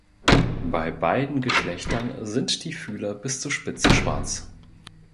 Bei beiden Geschlechtern sind die Fühler bis zur Spitze schwarz.